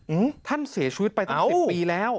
อืมท่านเสียชีวิตไปตั้งสิบปีแล้ว